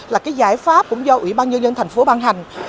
là cái giải pháp cũng do ủy ban nhân dân tp hcm ban hành